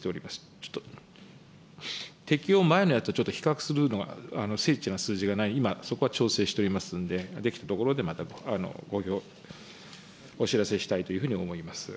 ちょっと、適用前のやつをちょっと比較するのが、精緻な数字がない、今、そこは調整しておりますんで、できたところでまた公表、お知らせしたいと思います。